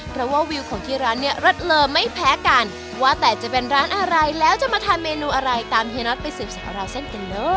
เพราะว่าวิวของที่ร้านเนี่ยเลิศเลอไม่แพ้กันว่าแต่จะเป็นร้านอะไรแล้วจะมาทานเมนูอะไรตามเฮียน็อตไปสืบสาวราวเส้นกันเลย